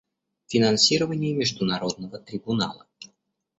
Финансирование Международного трибунала.